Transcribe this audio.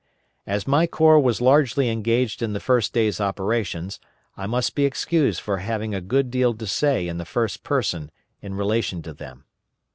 As my corps was largely engaged in the first day's operations, I must be excused for having a good deal to say in the first person in relation to them.